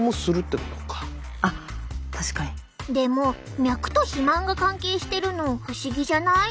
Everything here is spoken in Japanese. でも脈と肥満が関係してるの不思議じゃない？